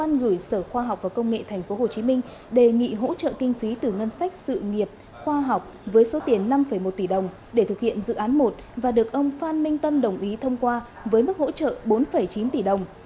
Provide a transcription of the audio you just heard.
bộ khoa học và công nghệ tp hcm đề nghị hỗ trợ kinh phí từ ngân sách sự nghiệp khoa học với số tiền năm một tỷ đồng để thực hiện dự án một và được ông phan minh tân đồng ý thông qua với mức hỗ trợ bốn chín tỷ đồng